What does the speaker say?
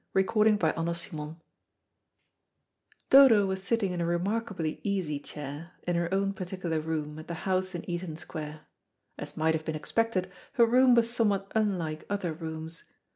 CHAPTER SEVEN Dodo was sitting in a remarkably easy chair in her own particular room at the house in Eaton Square. As might have been expected, her room was somewhat unlike other rooms.